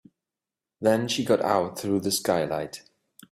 Then she got out through the skylight.